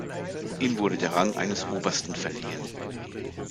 Ihm wurde der Rang eines Obersten verliehen.